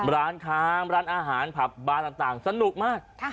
ร้านค้าร้านอาหารผับบานต่างสนุกมาก